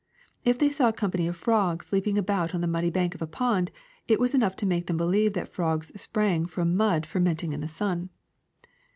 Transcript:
If they saw a company of frogs leaping about on the muddy banks of a pond, that was enough to make them believe frogs sprang from mud fermenting in the sun.